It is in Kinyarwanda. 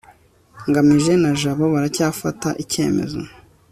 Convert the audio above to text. ngamije na jabo baracyafata icyemezo